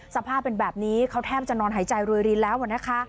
สภาพเป็นแบบนี้เขาแทบจะนอนหายใจรวยรินแล้วนะคะ